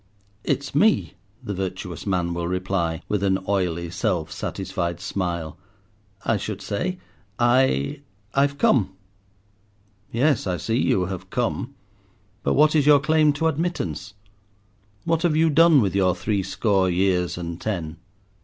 "It's me," the virtuous man will reply, with an oily, self satisfied smile; "I should say, I—I've come." "Yes, I see you have come; but what is your claim to admittance? What have you done with your three score years and ten?"